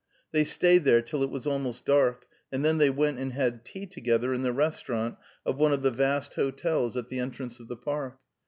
They staid there till it was almost dark, and then they went and had tea together in the restaurant of one of the vast hotels at the entrance of the Park.